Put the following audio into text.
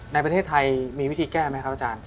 ในประเทศไทยมีวิธีแก้ไหมครับอาจารย์